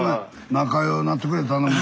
仲ようなってくれ頼むな。